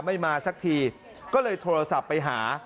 มาสักทีก็เลยโทรศัพท์ไปหา